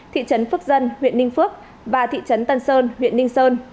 thị trấn phước dân huyện ninh phước và thị trấn tân sơn huyện ninh sơn